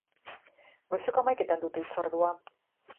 Goizeko hamaiketan dute hitzordua.